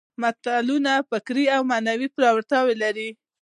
متلونه فکري او معنوي پياوړتیا لري